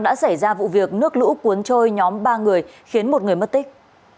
đã xảy ra vụ việc nước lũ cuốn trôi nhóm ba người khiến một người mất tích